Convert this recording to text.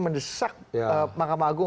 mendesak makam agung